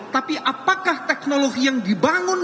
tapi apakah teknologi yang dibangun